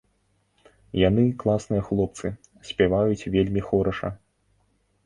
Яны класныя хлопцы, спяваюць вельмі хораша.